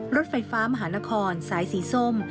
รถไฟฟ้ามหานครสายสีส้ม